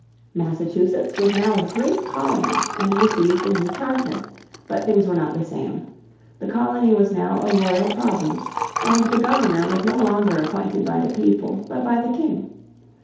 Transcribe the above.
Massachusetts was now a great colony and received a new charter. But things were not the same. The colony was now a royal province, and the Governor was no longer appointed by the people, but by the King.